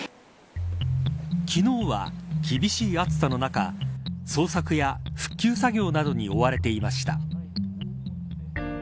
昨日は厳しい暑さの中捜索や復旧作業などに追われていました。